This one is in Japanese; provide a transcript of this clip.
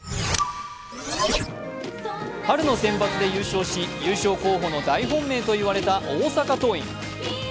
春のセンバツで優勝し、夏の甲子園の大本命といわれた大阪桐蔭。